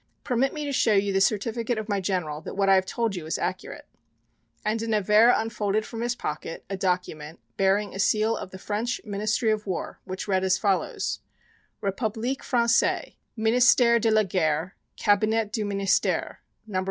Permit me to show you the certificate of my general that what I have told you is accurate." And De Nevers unfolded from his pocket a document, bearing a seal of the French Ministry of War, which read as follows: REPUBLIQUE FRANÇAISE MINISTERE DE LA GUERRE CABINET DU MINISTERE No.